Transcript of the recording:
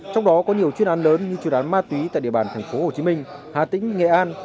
trong đó có nhiều chuyên án lớn như chuyên án ma túy tại địa bàn tp hcm hà tĩnh nghệ an